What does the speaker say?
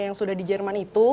yang sudah di jerman itu